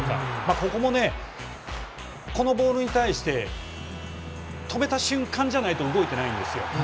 ここも、このボールに対して止めた瞬間じゃないと動いてないんですよ。